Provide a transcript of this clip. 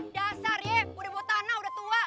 dasar ya udah buatan lah udah tua